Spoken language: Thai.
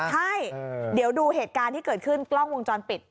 ใช่เดี๋ยวดูเหตุการณ์ที่เกิดขึ้นกล้องวงจรปิด